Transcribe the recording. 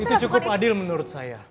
itu cukup adil menurut saya